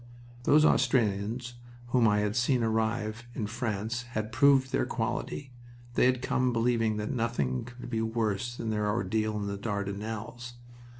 Those Australians whom I had seen arrive in France had proved their quality. They had come believing that nothing could be worse than their ordeal in the Dardanelles.